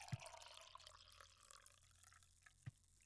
Qushiqlarim siz uchun